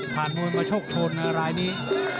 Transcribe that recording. ผ่านมือมาโชคโชนในรายนี้